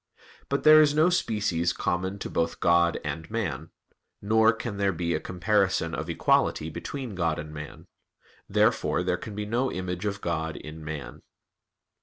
But there is no species common to both God and man; nor can there be a comparison of equality between God and man. Therefore there can be no image of God in man.